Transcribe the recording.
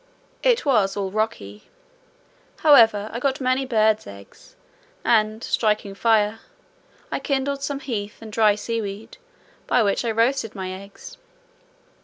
It was all rocky: however I got many birds' eggs; and, striking fire, I kindled some heath and dry sea weed, by which I roasted my eggs.